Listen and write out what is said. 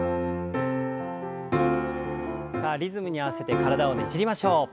さあリズムに合わせて体をねじりましょう。